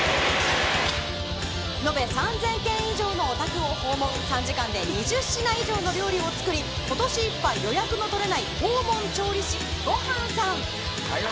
延べ３０００軒以上のお宅を訪問３時間で２０品以上の料理を作り今年いっぱい予約の取れない訪問調理師、ごはんさん。